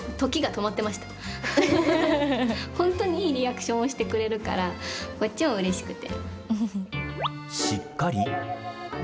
本当に、いいリアクションをしてくれるからこっちもうれしくて。